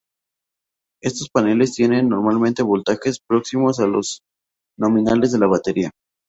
Estos paneles tiene normalmente voltajes próximos a los nominales de la batería.